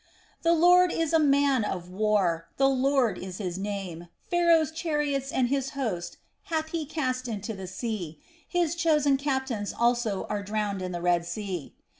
"The Lord is a man of war: the Lord is his name. Pharaoh's chariots and his host hath he cast into the sea: his chosen captains also are drowned in the Red Sea.